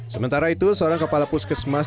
sementara itu seorang kepala puskesmas